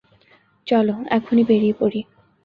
চল, এখনই বেরিয়ে পড়ি।